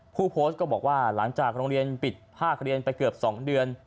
ผู้โพสต์ก็บอกว่าหลังจากโรงเรียนปิดภาคเรียนไปเกือบ๒เดือน